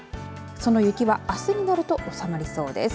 その雪はあすになると収まりそうです。